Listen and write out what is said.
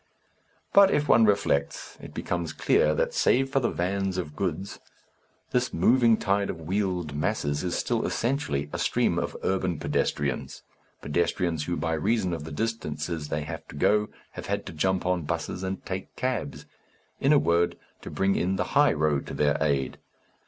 But if one reflects, it becomes clear that, save for the vans of goods, this moving tide of wheeled masses is still essentially a stream of urban pedestrians, pedestrians who, by reason of the distances they have to go, have had to jump on 'buses and take cabs in a word, to bring in the high road to their aid.